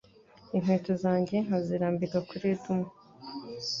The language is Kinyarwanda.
inkweto zanjye nkazirambika kuri Edomu